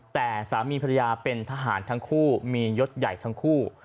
แต่สามีภรรยาเป็นทหารทั้งคู่มียศใหญ่ทั้งคู่